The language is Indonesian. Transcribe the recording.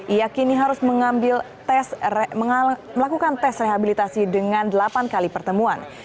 ia kini harus mengambil melakukan tes rehabilitasi dengan delapan kali pertemuan